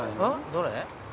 どれ？